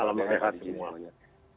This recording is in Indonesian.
salam sehat semuanya